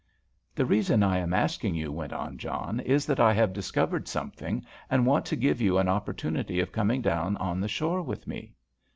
"The reason I am asking you," went on John, "is that I have discovered something and want to give you an opportunity of coming down on the shore with me."